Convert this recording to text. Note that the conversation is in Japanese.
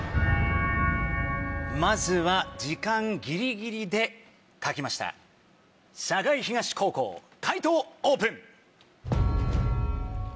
まずは時間ぎりぎりで書きました栄東高校解答オープン！